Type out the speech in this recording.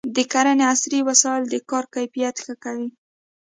د کرنې عصري وسایل د کار کیفیت ښه کوي.